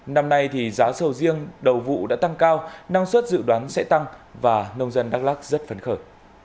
năm nay thì giá sầu riêng đầu vụ đã tăng cao năng suất dự đoán sẽ tăng và nông dân đắk lắc rất phấn khởi